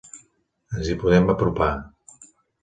Ens hi podem apropar.